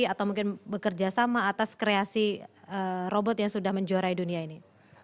atau mungkin bekerja sama atas kreasi robot yang sudah menjuarai dunia ini